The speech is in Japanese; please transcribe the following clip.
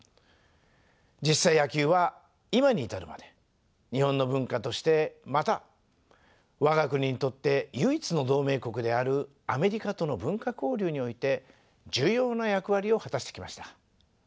実際野球は今に至るまで日本の文化としてまた我が国にとって唯一の同盟国であるアメリカとの文化交流において重要な役割を果たしてきました。